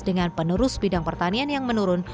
dengan penerus bidang pertanian yang menurun